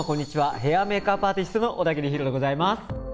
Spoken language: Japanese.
ヘア＆メイクアップアーティストの小田切ヒロでございます。